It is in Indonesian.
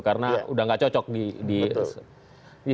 karena udah nggak cocok di